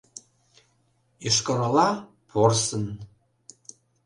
Йошкар-Ола — порсын…